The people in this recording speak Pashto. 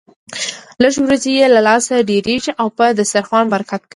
لږ وريجې يې له لاسه ډېرېږي او په دسترخوان برکت کوي.